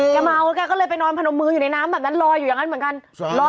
แกเม้าแล้วก็เลยไปนอนพนมมืออยู่ในน้ำน้ำแบบนั้นลอยอยู่อย่างงั้นเหมือนกันสวัสดี